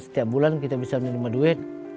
setiap bulan kita bisa menerima duit